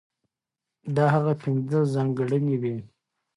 دا هغه پنځه ځانګړنې وې،